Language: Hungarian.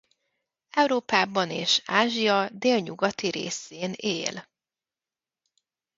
Európában és Ázsia délnyugati részén él.